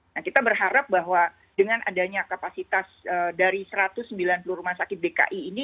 nah kita berharap bahwa dengan adanya kapasitas dari satu ratus sembilan puluh rumah sakit dki ini